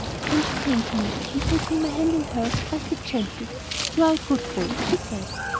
Then she came to me and, taking my hand in hers, pressed it gently. "You are a good boy," she said.